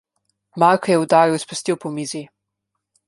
Marko je udaril s pestjo po mizi.